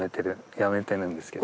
やめてるんですけど。